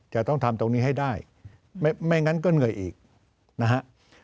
จะต้องทำตรงนี้ให้ได้ไม่งั้นก็เหนื่อยอีกนะฮะ